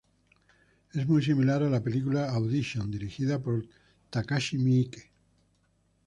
Es muy similar a la película "Audition", dirigida por Takashi Miike.